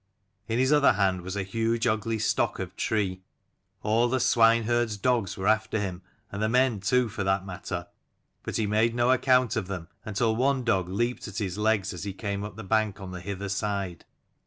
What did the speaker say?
In his other hand was a huge ugly stock of tree. All the swineherds' dogs were after him, and the men too, for that matter: but he made no account of them, until one dog leaped at his legs as he came up the bank on the hither side.